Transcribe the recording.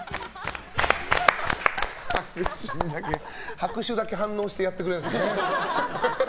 拍手だけ反応してやってくれるんですね。